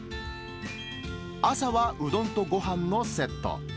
朝はうどんとごはんのセット。